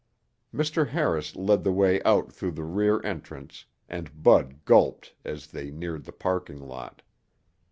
Mr. Harris led the way out through the rear entrance and Bud gulped as they neared the parking lot.